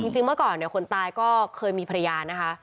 เมื่อก่อนคนตายก็เคยมีภรรยานะคะ